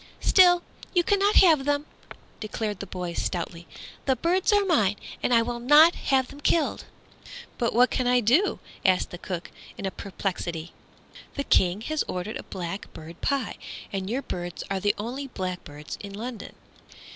"Still, you cannot have them," declared the boy stoutly, "the birds are mine, and I will not have them killed." "But what can I do?" asked the cook, in perplexity; "the King has ordered a blackbird pie, and your birds are the only blackbirds in London."